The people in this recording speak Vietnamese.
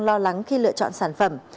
lo lắng khi lựa chọn sản phẩm